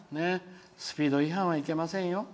スピード違反はいけませんよ。